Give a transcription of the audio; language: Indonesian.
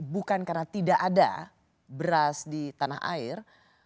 bukan karena tidak ada beras di tanah air